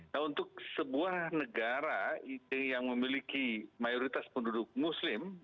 nah untuk sebuah negara yang memiliki mayoritas penduduk muslim